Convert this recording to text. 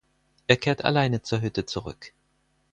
Er kehrt alleine zur Hütte zurück.